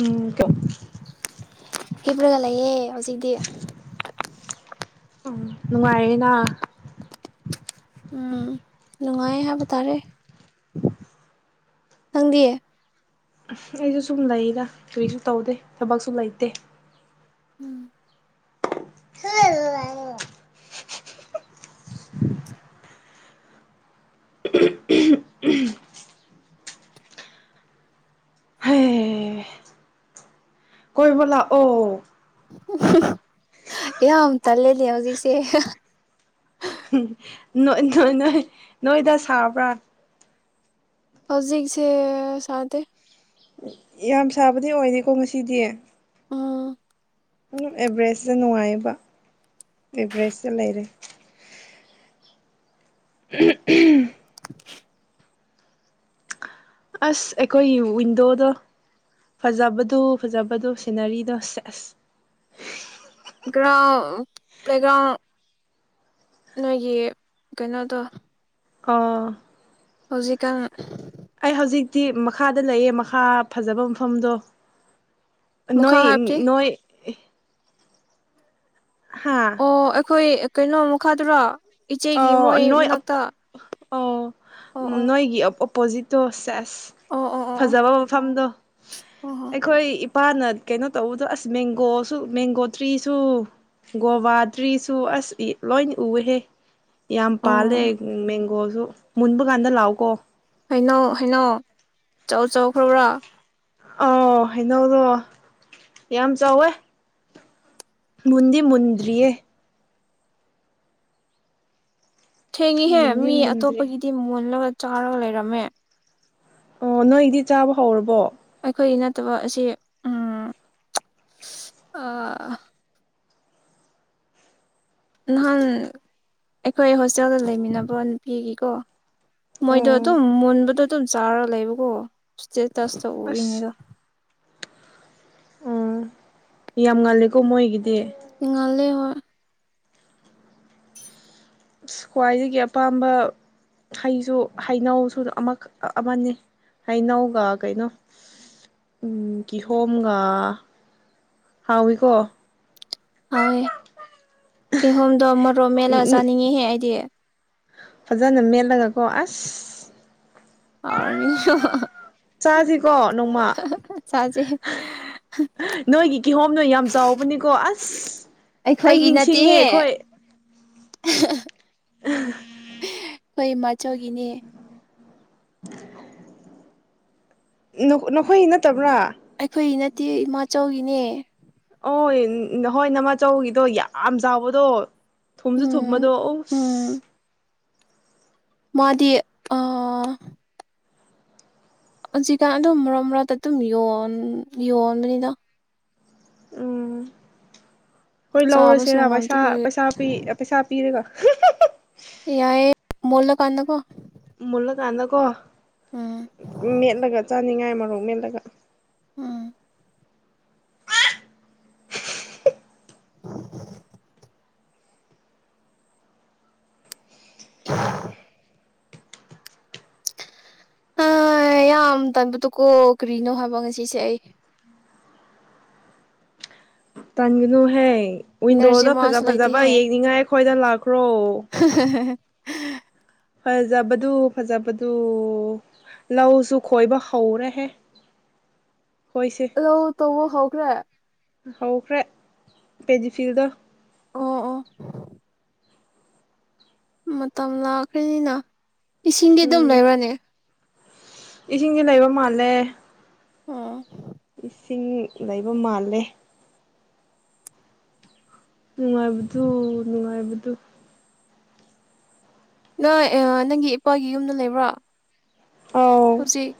ꯎꯝ ꯀ ꯍꯤꯕ꯭ꯔꯒ ꯂꯩꯌꯦꯦ ꯍꯧꯖꯤꯛꯗꯤ ꯎꯝ ꯅꯨꯡꯉꯥꯏꯔꯦꯅ ꯎꯝ ꯅꯨꯡꯉꯥꯏ ꯍꯥꯏꯕ ꯇꯥꯔꯦ ꯅꯪꯗꯤꯌꯦ ꯑꯩꯁꯨ ꯁꯨꯝ ꯂꯩꯔ ꯀꯔꯤꯁꯨ ꯇꯧꯗꯦ ꯊꯕꯛꯁꯨ ꯂꯩꯇꯦ ꯍ ꯍ ꯀꯣꯏꯕꯂ ꯑꯣ ꯌꯥ ꯇꯜꯂꯦ ꯂꯩ ꯍꯧꯖꯤꯛꯁꯦ ꯎꯝ ꯅꯣꯏ ꯅꯣꯏ ꯅꯣꯏꯗ ꯁꯥꯕ꯭ꯔꯥ ꯍꯧꯖꯤꯛꯁꯦ ꯁꯥ ꯌꯥꯝ ꯁꯥꯕꯗꯤ ꯑꯣꯏꯔꯦꯀꯣ ꯉꯁꯤꯗꯤ ꯎꯝ ꯑꯗꯨ ꯑꯦꯚꯔꯦꯁꯁꯦ ꯅꯨꯡꯉꯥꯏꯕ ꯑꯦꯚꯔꯦꯁꯇꯦ ꯂꯩꯔꯦ [inaudible] [inaudible] ꯑꯁ ꯑꯩꯈꯣꯏꯒꯤ ꯋꯤꯟꯗꯣꯗꯣ ꯐꯖꯕꯗꯨ ꯐꯖꯕꯗꯨ ꯁꯤꯅꯔꯤꯗꯣ ꯁꯦ ꯑꯁ ꯒ꯭ꯔꯥꯎꯟ ꯄ꯭ꯂꯦꯒ꯭ꯔꯥꯎꯟ ꯅꯣꯏꯒꯤ ꯀꯩꯅꯣꯗꯣ ꯑꯥ ꯍꯧꯖꯤꯛꯀꯥꯟ ꯍꯧꯖꯤꯛꯇꯤ ꯃꯈꯥꯗ ꯂꯩꯌꯦꯦ ꯃꯈꯥ ꯐꯖꯕ ꯃꯐꯝꯗꯣ ꯃꯈꯥ ꯅꯣꯏ ꯍꯥꯏꯕꯗꯤ ꯅꯣꯏ ꯍꯥ ꯑꯣ ꯑꯩꯈꯣꯏ ꯀꯩꯅꯣꯃꯨꯛ ꯈꯗꯨꯔꯣ ꯏꯆꯦꯒꯤ ꯃꯣꯏ ꯃꯅꯥꯛꯇ ꯑꯣ ꯎꯝ ꯑꯣ ꯅꯣꯏꯒꯤ ꯄꯣꯖꯤꯇꯣꯁꯦ ꯑꯁ ꯑꯣ ꯑꯣ ꯑꯣ ꯑꯣ ꯐꯖꯕ ꯃꯐꯝꯗꯣ ꯑꯣ ꯑꯣ ꯑꯩꯈꯣꯏ ꯅꯨꯄꯥꯅ ꯀꯩꯅꯣ ꯇꯧꯕꯗꯣ ꯑꯁ ꯃꯦꯡꯒꯣꯁꯨ ꯃꯦꯡꯒꯣ ꯇ꯭ꯔꯤꯁꯨ ꯒꯣꯕꯥ ꯇ꯭ꯔꯤꯁꯨ ꯑꯁ ꯂꯣꯏ ꯎꯏꯍꯦ ꯌꯥꯝ ꯑꯣ ꯄꯥꯜꯂꯦ ꯃꯦꯡꯒꯣꯁꯨ ꯃꯨꯟꯕ ꯀꯥꯟꯗ ꯂꯥꯎꯒꯣ ꯍꯩꯅꯧ ꯍꯩꯅꯧ ꯆꯥꯎ ꯆꯥꯎꯈ꯭ꯔꯕ꯭ꯔꯥ ꯑ ꯍꯩꯅꯧꯗꯣ ꯌꯥꯝ ꯆꯥꯎꯋꯦ ꯃꯨꯟꯗꯤ ꯃꯨꯟꯗ꯭ꯔꯤꯌꯦ ꯊꯦꯡꯉꯤꯍꯦ ꯃꯨꯟꯗꯤ ꯃꯤ ꯃꯨꯟꯗ꯭ꯔꯤ ꯑꯇꯣꯞꯄꯒꯤꯗꯤ ꯃꯣꯜꯂꯒ ꯆꯥꯔ ꯂꯩꯔꯝꯃꯦ ꯑꯣ ꯅꯣꯏꯗꯤ ꯆꯥꯕ ꯍꯧꯔꯕꯣ ꯑꯈꯣꯏꯒꯤ ꯅꯠꯇꯕ ꯑꯁꯤ ꯎꯝ ꯑꯥ ꯅꯍꯥꯟ ꯑꯈꯣꯏ ꯍꯣꯁꯇꯦꯜꯗ ꯂꯩꯃꯤꯟꯅꯕ ꯅꯨꯄꯤꯒꯤꯀꯣ ꯃꯣꯏꯗꯣ ꯑꯣ ꯗꯨꯝ ꯃꯨꯟꯕꯗꯣ ꯑꯗꯨꯝ ꯆꯥꯔ ꯂꯩꯕꯀꯣ ꯢꯇꯦꯠ ꯇꯁ ꯑꯁ ꯇꯧꯕꯩꯅꯤꯗ ꯎꯝ ꯌꯥꯝ ꯉꯜꯂꯦꯀꯣ ꯃꯣꯏꯒꯤ ꯉꯜꯂꯦ ꯍꯣꯏ ꯑꯁ ꯈ꯭ꯋꯥꯏꯗꯒꯤ ꯑꯄꯥꯝꯕ ꯍꯩꯁꯨ ꯍꯩꯅꯧꯁꯨ ꯑꯃꯛ ꯑꯃꯅꯤ ꯍꯩꯅꯧꯒ ꯀꯩꯅꯣ ꯀꯤꯍꯣꯝꯒ ꯍꯥꯎꯋꯤꯀꯣ ꯍꯥꯎꯋꯦ ꯀꯤꯍꯣꯝꯗꯣ ꯃꯠ ꯔꯣ ꯃꯦꯠꯂ ꯎꯝ ꯎꯝ ꯆꯥꯅꯤꯡꯉꯤꯍꯦ ꯑꯩꯗꯤ ꯐꯖꯅ ꯃꯦꯜꯂꯒ ꯀꯣ ꯑꯁ ꯍꯥꯎꯔꯅꯤ ꯆꯁꯤꯀꯣ ꯅꯣꯡꯃ ꯆꯥꯁꯦ ꯅꯣꯏꯒꯤ ꯀꯤꯍꯣꯝ ꯅꯣꯏ ꯌꯥꯝ ꯆꯥꯎꯕꯅꯤꯀꯣ ꯑꯁ ꯑꯩ ꯑꯩꯈꯣꯏꯒꯤ ꯅꯤꯡꯁꯤꯡꯉꯦ ꯅꯠꯇꯦꯍꯦ ꯑꯈꯣꯏ ꯑꯈꯣꯏ ꯏꯃꯥꯆꯧꯒꯤꯅꯦ ꯅꯈꯣꯏ ꯅꯠꯇꯕ꯭ꯔꯥ ꯑꯩꯈꯣꯏ ꯅꯠꯇꯤꯌꯦ ꯏꯃꯥꯆꯧꯒꯤꯅꯦ ꯍꯣꯏ ꯅ ꯍꯣꯏ ꯅꯃꯥꯆꯧꯕꯒꯤꯗꯣ ꯌꯥꯝ ꯆꯥꯎꯕꯗꯣ ꯊꯨꯝꯁꯨ ꯎꯝ ꯊꯨꯝꯕꯗꯣ ꯑꯧꯁ ꯎꯝ ꯃꯥꯗꯤ ꯑꯥ ꯍꯧꯖꯤꯛꯀꯥꯟ ꯑꯗꯨꯝ ꯃꯔꯛ ꯃꯔꯛꯇ ꯑꯗꯨꯝ ꯌꯣꯟ ꯌꯣꯟꯕꯅꯤꯅ ꯎꯝ ꯍꯣꯏ ꯆꯥꯕꯁꯨ ꯂꯧꯔꯁꯦꯔꯥ ꯄꯩꯁꯥ ꯉꯝꯗꯕꯒꯤ ꯄꯩꯁꯥ ꯄꯤ ꯄꯩꯁꯥ ꯄꯤꯔꯒ ꯌꯥꯏ ꯃꯨꯜꯂ ꯀꯥꯟꯗꯀꯣ ꯃꯨꯜꯂ ꯀꯥꯟꯗꯀꯣ ꯎꯝ ꯃꯦꯠꯂꯒ ꯆꯥꯅꯤꯡꯉꯥꯏ ꯃ ꯃꯣꯔꯣꯛ ꯃꯦꯠꯂꯒ ꯎꯝ [unintelligible] [unintelligible] ꯌꯥꯝ ꯇꯟꯕꯗꯣ ꯀꯣ ꯀꯔꯤꯅꯣ ꯍꯥꯏꯕ ꯉꯁꯤꯁꯦ ꯑꯩ ꯇꯟꯒꯅꯨꯍꯦ ꯏꯅꯔꯖꯤ ꯋꯤꯟꯗꯣꯗ ꯐꯖ ꯑꯃꯁꯨ ꯐꯖꯕ ꯂꯩꯇꯦꯍꯦ ꯌꯦꯡꯅꯤꯡꯉꯥꯏ ꯑꯩꯈꯣꯏꯗ ꯂꯥꯛꯈ꯭ꯔꯣ ꯐꯖꯕꯗꯨ ꯐꯖꯕꯗꯨ ꯂꯧꯁꯨ ꯈꯣꯏꯕ ꯍꯧꯔꯦꯍꯦ ꯑꯩꯈꯣꯏꯁꯦ ꯂꯧ ꯇꯧꯕ ꯍꯧ [unintelligible] ꯍꯧꯈ꯭ꯔꯦ ꯄꯦꯖꯤ ꯐꯤꯜꯗ ꯑꫭ ꯑꫭ ꯃꯇꯝ ꯂꯥꯛꯈ꯭ꯔꯅꯤꯅ ꯏꯁꯤꯡꯗꯤ ꯑꯗꯨꯝ ꯂꯩꯕ꯭ꯔꯅꯦ ꯏꯁꯤꯡꯖꯦ ꯅꯩꯕ ꯃꯥꯜꯂꯦ ꯎꯝ ꯏꯁꯤꯡ ꯅꯩꯕ ꯃꯥꯜꯂꯦ ꯅꯨꯡꯉꯥꯏꯕꯗꯨ ꯅꯨꯡꯉꯥꯏꯕꯗꯨ ꯅꫭꯏ ꯑ ꯅꯪꯒꯤ ꯏꯄꯥꯒꯤ ꯌꯨꯝꯗ ꯂꯩꯕ꯭ꯔꯥ ꯑꯥꯎ ꯍꯧꯖꯤꯛ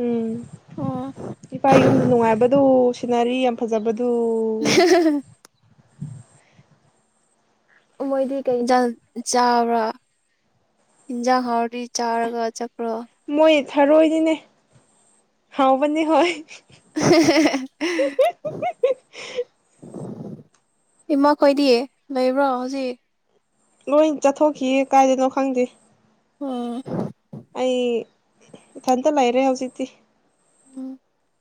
ꯎꯝ ꯑꯣ ꯏꯄꯥꯒꯤ ꯌꯨꯝ ꯅꯨꯡꯉꯥꯏꯕꯗꯨ ꯁꯤꯅꯔꯤ ꯌꯥꯝ ꯐꯖꯕꯗꯨ [unintelligible] ꯃꯣꯏꯗꯤ ꯀꯩ ꯏꯟꯖꯥꯡ ꯆꯥꯕ꯭ꯔꯥ ꯏꯟꯖꯥꯡ ꯍꯥꯎꯔꯗꯤ ꯆꯥꯔꯒ ꯆꯠꯄ꯭ꯔꯣ ꯃꯣꯏ ꯊꯔꯣꯏꯗꯤꯅꯦ ꯍꯥꯎꯕꯅꯤ ꯍꯣꯏ [unintelligible] ꯏꯃꯥ ꯈꯣꯏꯗꯤ ꯂꯩꯕ꯭ꯔꯣ ꯍꯧꯖꯤꯛ ꯂꯣꯏ ꯆꯠꯊꯣꯛꯈꯤꯌꯦ ꯀꯥꯏꯗꯅꯣ ꯈꯪꯗꯦ ꯎꯝ ꯑꯩ ꯏꯊꯟꯇ ꯂꯩꯔꯦ ꯍꯧꯖꯤꯛꯇꯤ [unintelligible]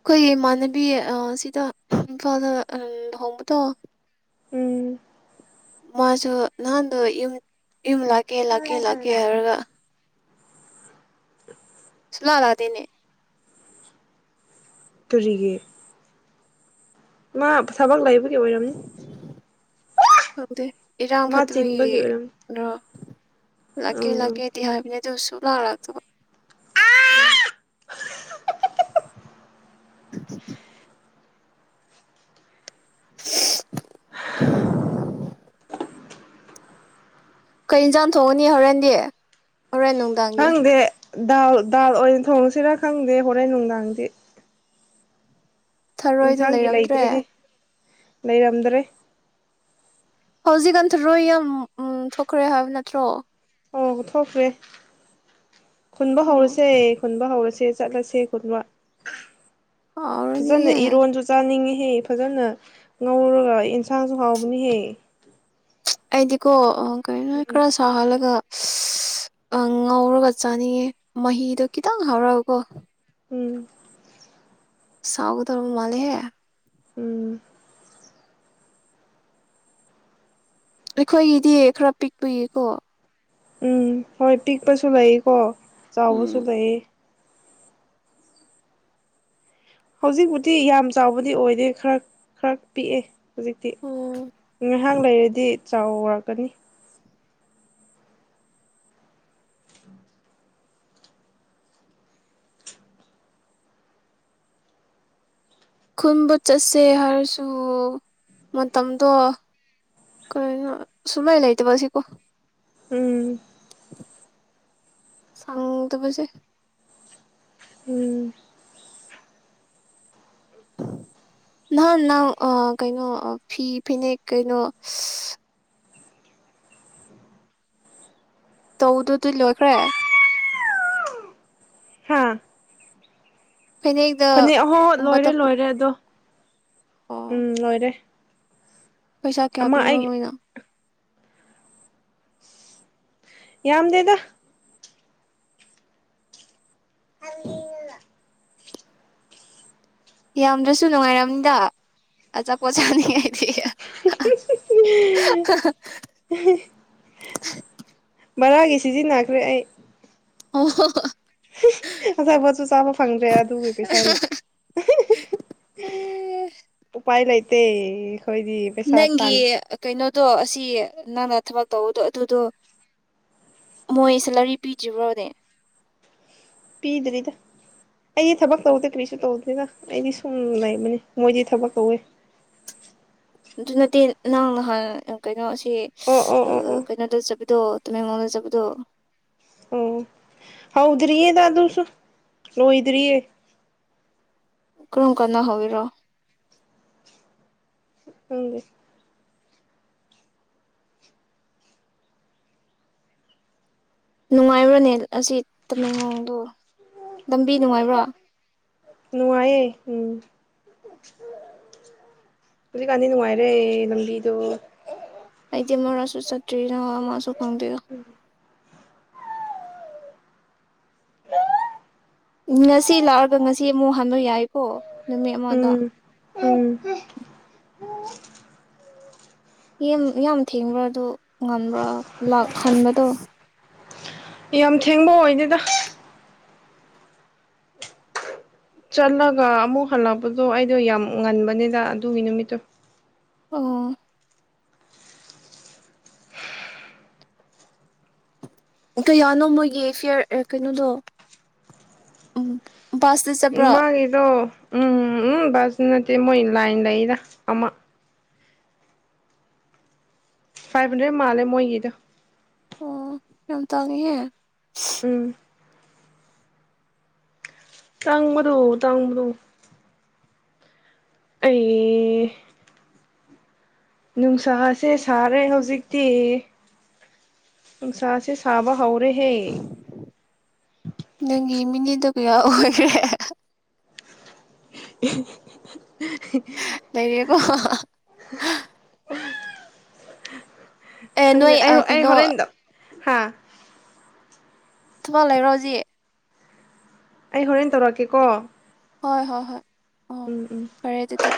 ꯑꯈꯣꯏꯒꯤ ꯏꯃꯥꯟꯅꯕꯤ ꯑ ꯁꯤꯗ ꯏꯝꯐꯥꯜꯗ ꯂꯨꯍꯣꯡꯕꯗꯣ ꯎꯝ ꯃꯥꯖꯨ ꯅꯍꯥꯟꯗꯨ ꯌꯨꯝ ꯂ [unintelligible] ꯂꯥꯛꯀꯦ ꯂꯥꯛ ꯀꯦ ꯂꯥꯛꯀꯦ ꯍꯥꯏꯔꯒ ꯁꯨꯛꯂꯛ ꯂꯥꯛꯇꯦꯅꯦ ꯀꯔꯤꯒꯤ ꯃꯥ ꯊꯕꯛ ꯑꯣꯏꯔꯝꯅꯤ ꯈꯪꯗꯦ ꯏꯔꯥꯡ ꯃꯥ ꯆꯤꯟꯕꯒꯤ ꯑꯣꯏꯔꯝꯅꯤ ꯐꯠꯇꯕꯒꯤꯝꯔ ꯂꯛꯀꯦ ꯎꯝ ꯎꯝ ꯂꯛꯀꯦꯗꯤ ꯍꯥꯏꯕꯅꯦ ꯁꯨꯛꯂꯛ ꯂꯛꯇꯥꯕ [inaudible] ꯀꯩ ꯏꯟꯖꯥꯡ ꯊꯣꯡꯉꯅꯤ ꯍꯣꯔꯦꯟꯗꯤ ꯍꯣꯔꯦꯟ ꯅꯨꯡꯗꯥꯡꯒꯤ ꯈꯪꯗꯦ ꯗꯥꯜ ꯗꯥꯜ ꯑꯣꯏꯅ ꯊꯣꯡꯁꯤꯔꯥ ꯈꯪꯗꯦ ꯍꯣꯔꯦꯟ ꯅꯨꯡꯗꯥꯡꯗꯤ ꯊꯔꯣꯏꯗꯨ ꯏꯟꯁꯥꯡꯒꯤ ꯂꯩꯔꯝꯗ꯭ꯔꯦ ꯂꯩꯇ꯭ꯔꯦꯍꯦ ꯂꯩꯔꯝꯗ꯭ꯔꯦ ꯍꯧꯖꯤꯛꯀꯟ ꯊꯔꯣꯏ ꯌꯥꯝ ꯎ ꯊꯣꯛꯈ꯭ꯔꯦ ꯍꯥꯏꯕ ꯅꯠꯇ꯭ꯔꯣ ꯑꯣ ꯊꯣꯛꯈ꯭ꯔꯦ ꯈꯨꯟꯕ ꯎꯝ ꯍꯧꯔꯨꯁꯦ ꯈꯨꯟꯕ ꯍꯧꯔꯁꯦ ꯆꯠꯂꯁꯦ ꯀꯟꯃ ꯐꯖꯅ ꯍꯥꯎꯔꯅꯤꯍꯦ ꯏꯔꯣꯟꯁꯨ ꯆꯥꯅꯤꯡꯉꯤ ꯍꯦ ꯐꯖꯅ ꯉꯧꯔꯒ ꯌꯦꯟꯁꯥꯡꯁꯨ ꯍꯥꯎꯕꯅꯤꯍꯦ ꯑꯩꯗꯤꯀꯣ ꯥꯀꯩꯅ‌ꯣ ꯎꯝ ꯏꯈꯔ ꯁꯍꯜꯂꯒ ꯑ ꯉꯧꯔꯒ ꯆꯥꯅꯤꯡꯉꯦ ꯃꯍꯤꯗꯣ ꯈꯤꯇꯪ ꯍꯧꯔꯛ ꯒꯀꯣ ꯎꯝ ꯁꯥꯎꯒꯗꯔ ꯃꯥꯜꯂꯦꯍꯦ ꯎꯝ ꯑꯩꯈꯣꯏꯒꯤꯗꯤ ꯈꯔ ꯄꯤꯛꯄꯒꯤꯀꯣ ꯎꯝ ꯍꯣꯏ ꯄꯤꯛꯄꯁꯨ ꯂꯩꯀꯣ ꯆꯥꯎꯕꯁꯨ ꯎꯝ ꯂꯩꯌꯦ ꯍꯧꯖꯤꯛꯕꯨꯨꯗꯤ ꯌꯥꯝ ꯆꯥꯎꯕꯗꯤ ꯑꯣꯏꯗꯦ ꯈꯔ ꯈꯔ ꯄꯤꯛꯑꯦ ꯍꯧꯖꯤꯛꯇꯤ ꯉꯥꯏꯍꯥꯛ ꯂꯩꯔꯗꯤ ꯆꯥꯎ ꯋꯥꯔꯛꯀꯅꯤ ꯈꯨꯟꯕꯨ ꯆꯠꯁꯦ ꯍꯥꯏꯔꯁꯨ ꯃꯇꯝꯗꯣ ꯀꯩꯅꯣ ꯁꯨꯡꯂꯥꯏ ꯂꯩꯇꯕ ꯑꯁꯤꯀꯣ ꯎꯝ ꯁꯪ ꯇꯄꯁꯦ ꯎꯝ ꯅꯍꯥꯟ ꯅꯪ ꯀꯩꯅꯣ ꯐꯤ ꯐꯅꯦꯛ ꯀꯩꯅꯣ ꯇꯧꯗꯨꯗꯤ ꯂꯣꯏꯈ꯭ꯔꯦ ꯍꯥ ꯐꯅꯦꯛꯇ ꯐꯅꯦꯛ ꯑꯍꯣ ꯂꯣꯏꯔꯦ ꯕꯇꯔ ꯂꯣꯏꯔꯦ ꯑꯗꯣ ꯑꯣ ꯎꯝ ꯂꯣꯏꯔꯦ ꯄꯩꯁꯥ ꯀꯌꯥ ꯑꯃ ꯄꯤꯕ꯭ꯔꯣ ꯑꯩꯒꯤ ꯃꯣꯏꯅꯣ ꯌꯥꯝꯗꯦꯗ ꯑꯂꯅꯗ ꯌꯥꯝꯗ꯭ꯔꯁꯨ ꯅꯨꯡꯉꯥꯏꯔꯝꯅꯤꯗ ꯑꯆꯥꯄꯣꯠ ꯆꯥꯅꯤ [unintelligible] ꯕꯔꯥꯒꯤ ꯁꯤꯖꯤꯟꯅꯈ꯭ꯔꯦ ꯑꯩ ꯑꯣ ꯍꯣ ꯍ ꯑꯆꯥꯄꯣꯠꯁꯨ ꯆꯥꯕ ꯐꯪꯗ꯭ꯔꯦ ꯑꯗꯨꯒꯤ ꯄꯩꯁꯥꯅ ꯎꯄꯥꯏ ꯂꯩꯇ ꯇ ꯅꯪꯒꯤ ꯀꯩꯅꯣ ꯑꯗꯣ ꯑꯁꯤ ꯅꯪꯅ ꯊꯕꯛ ꯇꯧꯕꯗꯣ ꯑꯗꯨꯗꯣ ꯃꯣꯏ ꯁꯦꯂꯔꯤ ꯄꯤꯗ꯭ꯔꯤꯕ꯭ꯔꯣꯅꯦ ꯄꯤꯗ꯭ꯔꯤꯗ ꯑꯩꯗꯤ ꯊꯕꯛ ꯇꯧꯗꯦ ꯀꯔꯤꯁꯨ ꯇꯧꯗꯦꯗ ꯑꯩꯗꯤ ꯁꯨꯝ ꯂꯩꯕꯅꯤ ꯃꯣꯏꯗꯤ ꯊꯕꯛ ꯀꯧꯋꯦ ꯑꯗꯨ ꯅꯠꯇꯦ ꯅꯍꯪ ꯅꯍꯥꯟ ꯀꯩꯅꯣ ꯁ ꯑꯣ ꯑꯣ ꯑꯣ ꯑꯣ ꯀꯩꯅꯣ ꯇꯧꯖꯕꯗꯣ ꯇ ꯃꯗ ꯆꯕꯨꯗꯣ ꯑꯣ ꯍꯧꯗꯔꯤꯌꯦ ꯗ ꯑꯗꯨꯁꯨ ꯂꯣꯏꯗꯔꯤꯌꯦ ꯀꯔꯝ ꯀꯟꯗꯥ ꯍꯧꯋꯔꯤꯅꯣ ꯈꯪꯗꯦ ꯅꯨꯡꯉꯥꯏꯕ꯭ꯔꯅꯦ ꯑꯁꯤ ꯇꯃꯦꯡ ꯂꯣꯝꯗꯨ ꯂꯝꯕꯤ ꯅꯨꯡꯉꯥꯏꯕ꯭ꯔꯥ ꯅꯨꯡꯉꯥꯏꯌꯦ ꯎꯝ ꯍꯧꯖꯤꯛꯀꯥꯟꯗꯤ ꯅꯨꯡꯉꯥꯏꯔꯦ ꯂꯝꯕꯤꯗꯣ ꯑꯩꯗꯤ ꯉꯔꯡꯁꯨ ꯆꯠꯇꯔꯤꯅꯥ ꯃꯁꯨ ꯍꯪꯗꯣ ꯉꯁꯤ ꯂꯥꯛꯑꯒ ꯉꯁꯤ ꯑꯃꯨꯛ ꯍꯥꯟꯕ ꯌꯥꯏꯀꯣ ꯅꯨꯃꯤꯠ ꯑꯃꯗ ꯎꯝ ꯎꯝ ꯌꯥꯝ ꯊꯦꯡꯕ꯭ꯔꯥ ꯑꯗꯨ ꯉꯟꯕ꯭ꯔꯥ ꯂꯥꯛ ꯍꯟꯕꯗꯣ ꯌꯥꯝ ꯊꯦꯡꯕ ꯑꯣꯏꯗꯦꯗ ꯆꯠꯂꯒ ꯑꯃꯨꯛ ꯍꯜꯂꯛꯄꯗꯣ ꯑꯩꯗꯣ ꯌꯥꯝ ꯉꯟꯕꯅꯤꯗ ꯑꯗꯨꯒꯤ ꯅꯨꯃꯤꯠꯇꯣ ꯑꯣ ꯀꯩꯌꯥꯅꯣ ꯃꯣꯏꯒꯤ ꯐꯤꯌꯔ ꯀꯩꯅꯣꯗꯣ ꯎꯝ ꯕꯥꯁꯇ ꯆꯠꯄ꯭ꯔꯥ ꯏꯃ ꯑꯩꯗꯣ ꯎꯝꯝ ꯎꯝ ꯕꯨꯁꯇꯥ ꯅꯠꯇꯦ ꯃꯣꯏ ꯂꯥꯏꯟ ꯂꯩꯗ ꯑꯃ ꯐꯥꯏꯚ ꯍꯟꯗ꯭ꯔꯦꯗ ꯃꯥꯜꯂꯦ ꯃꯣꯏꯒꯤꯗꯣ ꯑꯣ ꯌꯥꯝ ꯇꯥꯡꯉꯦꯍꯦ ꯎꯝ ꯇꯥꯡ ꯃꯗꯨ ꯇꯥꯡ ꯃꯗꯨ ꯑꯩ ꯅꯨꯡꯁꯥꯁꯦ ꯁꯥꯔꯦ ꯍꯧꯖꯤꯛꯇꯤ ꯅꯨꯡꯁꯥꯁꯦ ꯁꯥꯕ ꯍꯧꯔꯦꯍꯦ ꯃꯤꯅꯦꯗꯣ ꯀꯌꯥ ꯑꯣꯏꯔꯦ [inaudible] ꯂꯩꯔꯦꯀꯣ ꯑꯦ ꯅꯣꯏ ꯀꯩꯅꯣ ꯍꯥꯥ ꯊꯕꯛ ꯂꯩꯕꯔꯣꯖꯤ ꯑꯩ ꯍꯣꯔꯦꯟ ꯇꯧꯔꯛꯀꯦꯀꯣ ꯍꯣꯏ ꯍꯣꯏ ꯍꯣꯏ ꯑꯣ ꯎꯝ ꯎꯝ ꯐꯔꯦ ꯑꯗꯨꯗꯤ